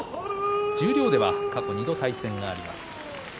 十両では過去２回対戦があります。